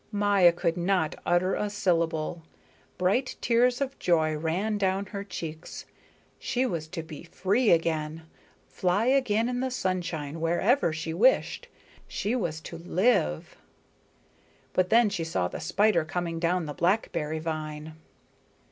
Maya could not utter a syllable. Bright tears of joy ran down her cheeks. She was to be free again, fly again in the sunshine, wherever she wished. She was to live. But then she saw the spider coming down the blackberry vine.